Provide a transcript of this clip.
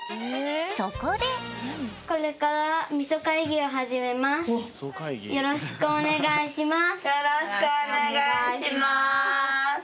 そこでよろしくお願いします。